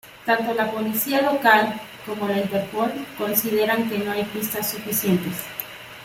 Tanto la policía local como la Interpol consideran que no hay pistas suficientes.